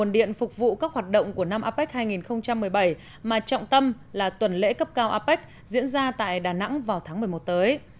để bảo đảm nguồn điện phục vụ các hoạt động của năm apec